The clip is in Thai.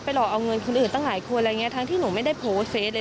หลอกเอาเงินคนอื่นตั้งหลายคนอะไรอย่างเงี้ทั้งที่หนูไม่ได้โพสต์เฟสเลย